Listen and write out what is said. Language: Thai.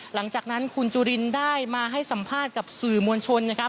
หลังจากนั้นคุณจุลินได้มาให้สัมภาษณ์กับสื่อมวลชนนะครับ